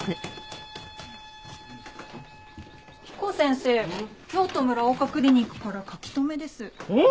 彦先生京都ＭＵＲＡＯＫＡクリニックから書留です。おっ！